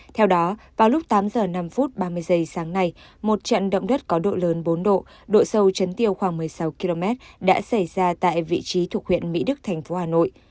theo đó vào lúc tám giờ năm phút ba mươi giây sáng nay một trận động đất có độ lớn bốn độ độ sâu chấn tiêu khoảng một mươi sáu km đã xảy ra tại vị trí thuộc huyện mỹ đức thành phố hà nội